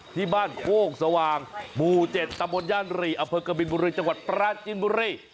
ที่บ้านโคกสว่างหมู่๗ตำบลย่านรีอำเภอกบินบุรีจังหวัดปราจินบุรี